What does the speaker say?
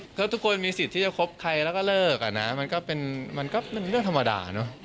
ถ้าทุกคนมีสิทธิ์ที่จะคบใครแล้วก็เลิกอะนะมันก็เป็นเรื่องธรรมดาเนอะ